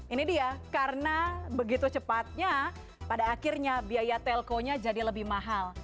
ini dia karena begitu cepatnya pada akhirnya biaya telkonya jadi lebih mahal